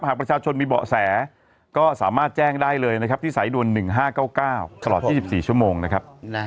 หากประชาชนมีเบาะแสก็สามารถแจ้งได้เลยนะครับที่สายด่วน๑๕๙๙ตลอด๒๔ชั่วโมงนะครับ